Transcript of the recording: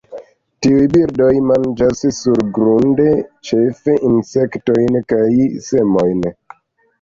Tiuj birdoj manĝas surgrunde ĉefe insektojn kaj semojn.